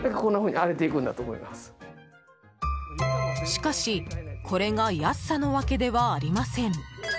しかしこれが安さのワケではありません。